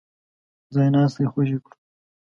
ځای ناستي خوشي کړو.